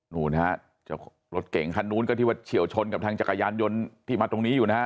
นู่นฮะรถเก่งคันนู้นก็ที่ว่าเฉียวชนกับทางจักรยานยนต์ที่มาตรงนี้อยู่นะฮะ